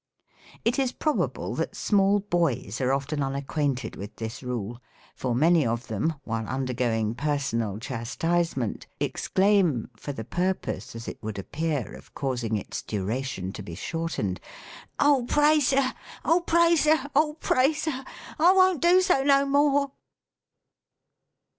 It is probable that small boys are often unacquainted 94 THE COMIC ENGLISH GKAMMAK. with this rule ; for many of them, while undergoing personal chastisement, exclaim, for the purpose, as it would appear, of causing its duration to be shortened — "Oh pray. Sir, oh pray. Sir, oh pray, Sir! I won't do so no more